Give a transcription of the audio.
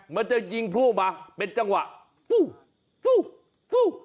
มันจะยิงผู้ออกมาเป็นจังหวะฟู้ฟู้ฟู้